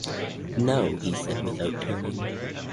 "No," he said without turning.